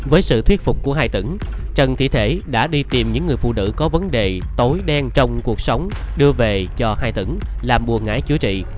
với sự thuyết phục của hai tỉnh trần thị thể đã đi tìm những người phụ nữ có vấn đề tối đen trong cuộc sống đưa về cho hai tỉnh làm buồn chữa trị